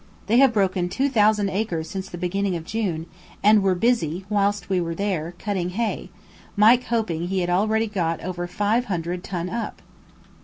They have broken two thousand acres since the beginning of June, and were busy, whilst we were there, cutting hay, Mike hoping he had already got over five hundred ton up!